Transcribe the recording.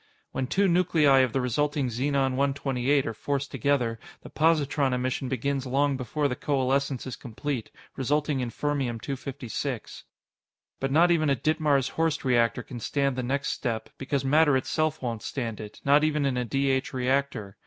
When two nuclei of the resulting Xenon 128 are forced together, the positron emission begins long before the coalescence is complete, resulting in Fermium 256. But not even a Ditmars Horst reactor can stand the next step, because matter itself won't stand it not even in a D H reactor.